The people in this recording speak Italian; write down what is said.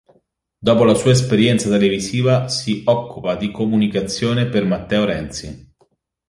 Dopo la sua esperienza televisiva si occupa di comunicazione per Matteo Renzi.